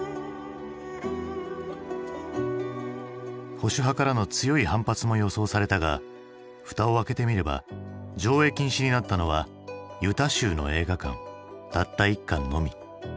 保守派からの強い反発も予想されたが蓋を開けてみれば上映禁止になったのはユタ州の映画館たった１館のみ。